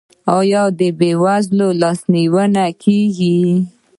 آیا د بې وزلو لاسنیوی کیږي؟